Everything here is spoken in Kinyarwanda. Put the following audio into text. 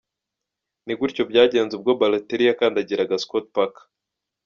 Ni gutyo byagenze ubwo Balotelli yakandagiraga Scott Parker.